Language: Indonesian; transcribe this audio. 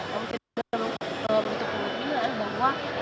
mungkin terlalu beruntung kemungkinan bahwa